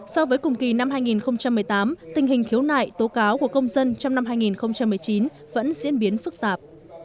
so với cùng kỳ năm hai nghìn một mươi tám tình hình khiếu nại tố cáo của công dân trong năm hai nghìn một mươi chín vẫn diễn biến phức tạp